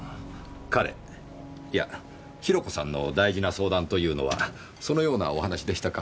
彼いやヒロコさんの大事な相談というのはそのようなお話でしたか。